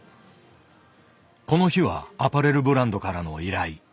この日はアパレルブランドからの依頼。